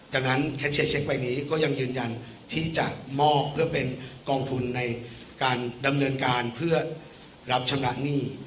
ดังนั้นแคทเชียร์เช็คใบนี้ก็ยังยืนยันที่จะมอบเพื่อเป็นกองทุนในการดำเนินการเพื่อรับชำระหนี้